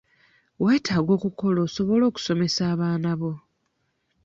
Weetaaga okukola osobole okusomesa abaana bo.